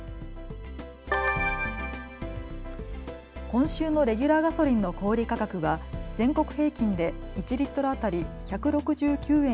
今週のレギュラーガソリンの小売価格は全国平均で１リットル当たり１６９円